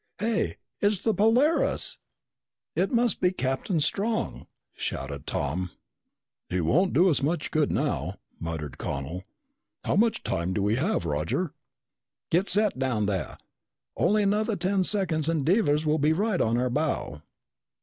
Hey! It's the Polaris!" "It must be Captain Strong!" shouted Tom. "He won't do us much good now," muttered Connel. "How much time do we have, Roger?" "Get set down there. Only another ten seconds and Devers will be right on our bow."